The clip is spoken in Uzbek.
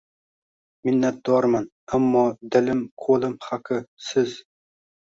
Minnatdorman, ammo, dilim, qo’lim haqi, Siz